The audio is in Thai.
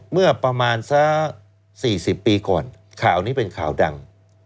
เมื่อประมาณสัก๔๐ปีก่อนข่าวนี้เป็นข่าวดัง